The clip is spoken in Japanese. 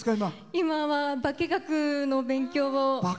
今は化学の勉強を。